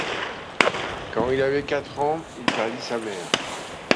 Quand il avait quatre ans, il perdit sa mère.